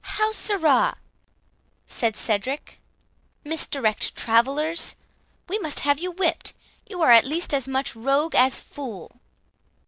"How, sirrah!" said Cedric, "misdirect travellers? We must have you whipt; you are at least as much rogue as fool."